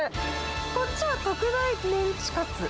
こっちは特大メンチカツ。